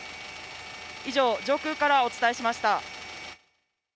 以上、上空からお伝えしました。